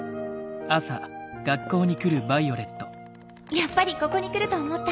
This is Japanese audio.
やっぱりここに来ると思った。